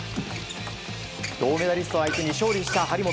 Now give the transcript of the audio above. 銅メダリスト相手に勝利した張本。